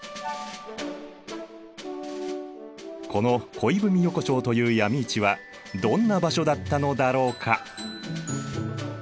この恋文横丁という闇市はどんな場所だったのだろうか。